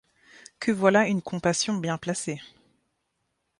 Que voilà une compassion bien placée !